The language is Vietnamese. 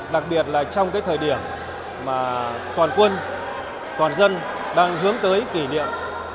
đặc biệt là trong cái thời điểm mà toàn quân toàn dân đang hướng tới kỷ niệm